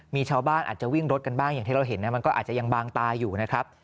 มีชาวบ้านอาจจะวิ่งรถกันบ้างอย่างที่เราเห็นนะมันก็อาจจะยังบางตาอยู่นะครับ